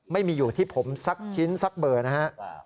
ไม่มีอยู่ที่ผมสักชิ้นสักเบอร์นะฮะ